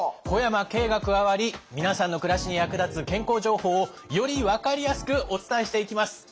小山径が加わり皆さんの暮らしに役立つ健康情報をより分かりやすくお伝えしていきます。